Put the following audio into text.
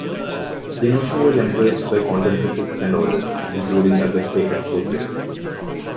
The notion was embraced by contemporary cooks and authors, including Auguste Escoffier.